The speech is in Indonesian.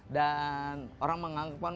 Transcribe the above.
dan orang menganggap